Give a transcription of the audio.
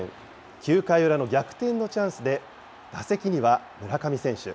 ９回裏の逆転のチャンスで、打席には村上選手。